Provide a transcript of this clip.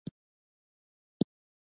د کب غوښه د روغتیا لپاره ګټوره ده.